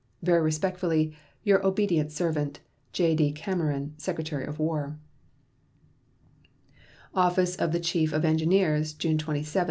Very respectfully, your obedient servant, J.D. CAMERON, Secretary of War. OFFICE OF THE CHIEF OF ENGINEERS, June 27, 1876.